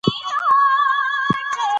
احمدشاه بابا د لوړو اهدافو خاوند و.